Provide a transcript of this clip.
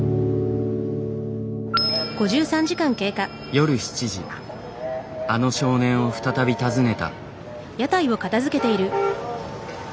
夜７時あの少年を再び訪ねた。